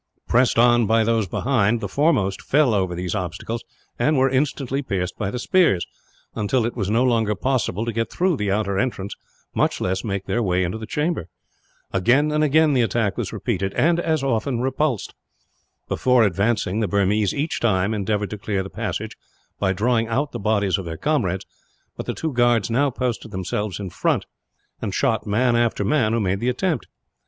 Pressed on by those behind, the foremost fell over these obstacles, and were instantly pierced by the spears; until it was no longer possible to get through the outer entrance, much less make their way into the chamber. Again and again the attack was repeated and, as often, repulsed. Before advancing the Burmese, each time, endeavoured to clear the passage by drawing out the bodies of their comrades; but the two guards now posted themselves in front, and shot man after man who made the attempt.